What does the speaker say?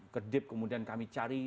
kedip kemudian kami cari